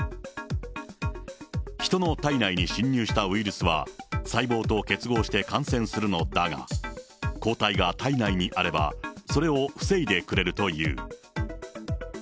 ヒトの体内に侵入したウイルスは、細胞と結合して感染するのだが、抗体が体内にあれば、それを防いでくれるという。